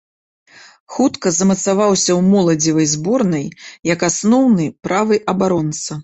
Хутка замацаваўся ў моладзевай зборнай як асноўны правы абаронца.